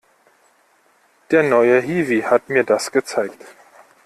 Der neue Hiwi hat mir das gezeigt.